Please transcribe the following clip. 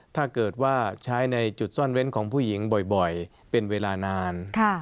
ถ้าเกิดว่าใช้ในจุดซ่อนเว้นของผู้หญิงบ่อยเป็นเวลานาน